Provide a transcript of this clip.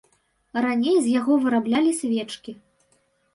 Раней з яго выраблялі свечкі.